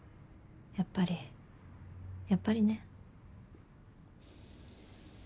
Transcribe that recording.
やっぱりやっぱりね。